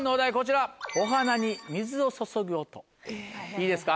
いいですか？